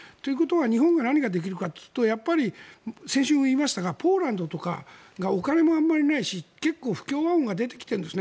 日本が何ができるかというと先週も言いましたがポーランドとかが結構お金もないし結構、不協和音が出てきているんです。